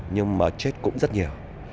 nhưng mà chết cũng rất nhiều